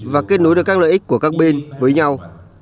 và kết nối được các lợi ích của các bên với nhau